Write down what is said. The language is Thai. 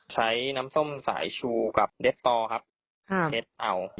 ใช้น้ำส้มสายชูกับเด็ดต่อครับเด็ดเอา